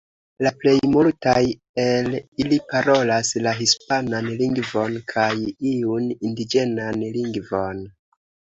La plej multaj el ili parolas la hispanan lingvon kaj iun indiĝenan lingvon.